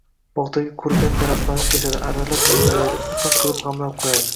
bogʻdagi qurigan daraxtlarni kesadi, arralab, maydalaydi, oʻtin qilib gʻamlab qoʻyadi.